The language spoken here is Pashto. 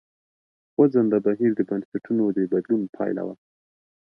خوځنده بهیر د بنسټونو د بدلون پایله وه.